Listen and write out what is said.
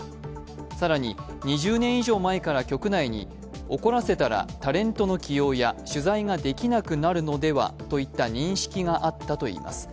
更に２０年以上前から局内に怒らせたらタレントの起用や取材ができなくなるのではといった認識があったといいます。